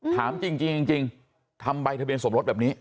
ถามจริงทำใบทะเบียนสมรสแบบนี้